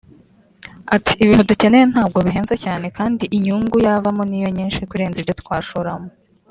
Ati “Ibintu dukeneye ntabwo bihenze cyane kandi inyungu yavamo ni yo nyinshi kurenza ibyo twashoramo